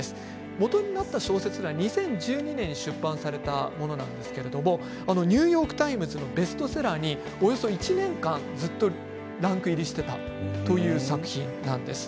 基になった小説は２０１２年に出版されたものなんですけれどニューヨーク・タイムズのベストセラーにおよそ１年間ずっとランク入りしていたという作品なんです。